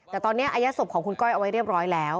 แต่ตอนนี้อายัดศพของคุณก้อยเอาไว้เรียบร้อยแล้ว